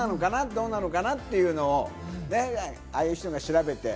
どうなのかな？っていうのを、ああいう人が調べて。